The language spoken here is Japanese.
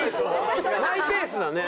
マイペースだね。